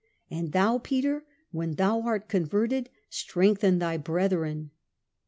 And thou, Peter, when thou art converted, strengthen thy brethren."